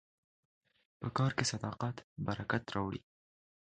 په کار کې صداقت برکت راوړي.